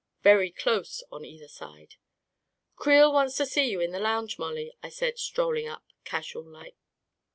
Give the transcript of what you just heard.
Very close on either side. 11 Creel wants to see you in the lounge, Mollie," I said, strolling up, casual like.